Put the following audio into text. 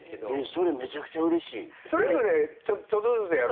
それめちゃくちゃうれしい。